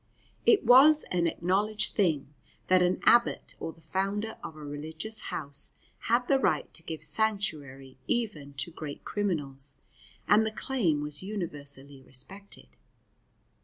It was an acknowledged thing that an abbot or the founder of a religious house had the right to give sanctuary even to great criminals, and the claim was universally respected.